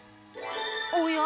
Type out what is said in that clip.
おや？